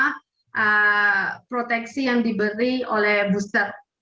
karena proteksi yang diberi oleh booster